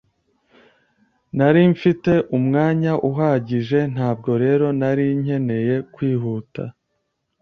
Nari mfite umwanya uhagije, ntabwo rero nari nkeneye kwihuta.